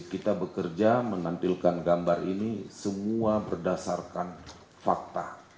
kita bekerja menampilkan gambar ini semua berdasarkan fakta